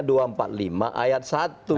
di dalam diktub amarnya itu